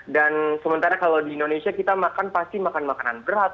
dan sementara kalau di indonesia kita makan pasti makan makanan berat